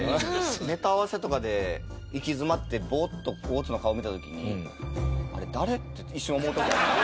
ネタ合わせとかで行き詰まってボーッと大津の顔見た時にあれ誰？って一瞬思う時あるんですよ。